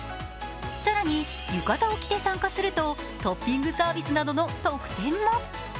更に浴衣を着て参加すると、トッピングサービスなどの特典も。